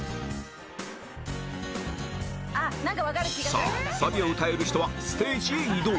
さあサビを歌える人はステージへ移動